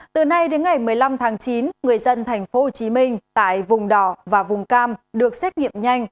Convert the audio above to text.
từ nay đến ngày một mươi năm tháng chín người dân tp hcm tại vùng đỏ và vùng cam được xét nghiệm nhanh